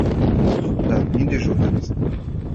Туҡта, ниндәй журналист?